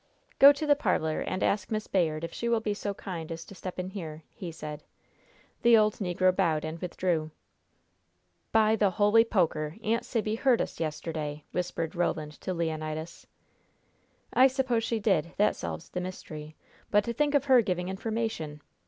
"Go to the parlor and ask Miss Bayard if she will be so kind as to step in here," he said. The old negro bowed and withdrew. "By the holy poker, Aunt Sibby heard us yesterday!" whispered Roland to Leonidas. "I suppose she did; that solves the mystery. But to think of her giving information!"